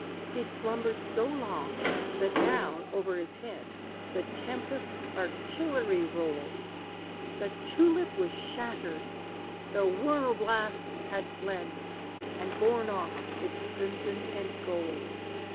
He'd slumbered so long, that now, over his head, The tempest's artillery rolled; The tulip was shattered the whirl blast had fled, And borne off its crimson and gold.